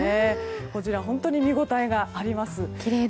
こちら本当に見応えがあります。